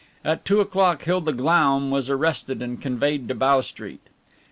At two o'clock Hilda Glaum was arrested and conveyed to Bow Street.